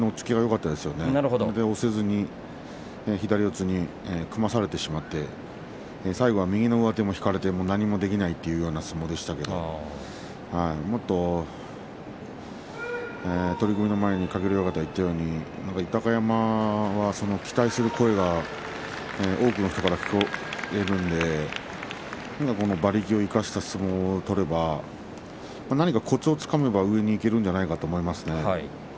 それで押せずに左四つに組まされてしまって最後は右の上手を引かれて何もできないというような相撲でしたけれどももっと取組の前に鶴竜親方が言ったように豊山は期待する声が多くの人から聞こえるので馬力を生かした相撲を取れれば何かコツをつかめば上にいけるんじゃないかなと思いますね。